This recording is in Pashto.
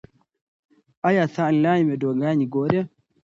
ایا ته آنلاین ویډیوګانې ګورې؟